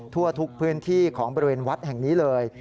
ทั่วทุกพื้นที่ของบริเวณวัดแห่งนี้เลย